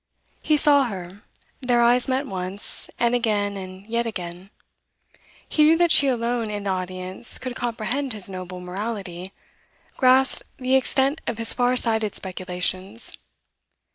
He saw her; their eyes met once, and again, and yet again. He knew that she alone in the audience could comprehend his noble morality, grasp the extent of his far sighted speculations.